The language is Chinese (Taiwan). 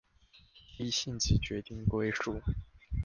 依性質決定歸屬